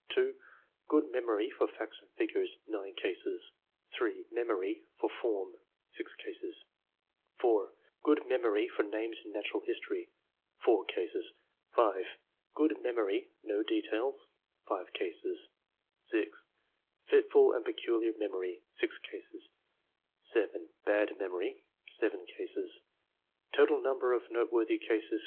109 (2) good memory for faxjts and figures, 9 cases ; (3) good memory for form, 6 cases ; (4) good memory for names in natural history, 4 cases ; (5) good memory, no details, 5 cases ; (6) fitful and peculiar memory, 6 cases ; (7) bad memory, 7 cases. Total number of note worthy cases, 43.